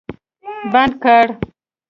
بند کړ